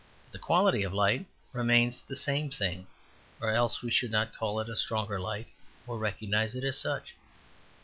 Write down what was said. But the quality of light remains the same thing, or else we should not call it a stronger light or recognize it as such.